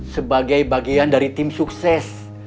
sebagai bagian dari tim sukses